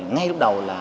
ngay lúc đầu là